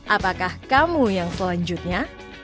apakah kamu yang selanjutnya